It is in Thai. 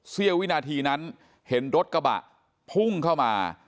เสี้ยววินาทีนั้นเห็นรถกระบะพุ่งเข้ามา